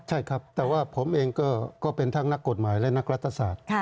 ใช่ครับแต่ว่าผมเองก็เป็นทั้งนักกฎหมายและนักรัฐศาสตร์